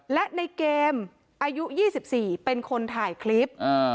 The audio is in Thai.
และในเกมอายุ๒๔เป็นคนถ่ายคลิป